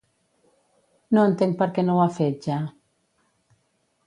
No entenc per què no ho ha fet ja.